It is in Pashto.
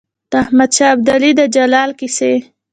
د احمد شاه ابدالي د جلال کیسې.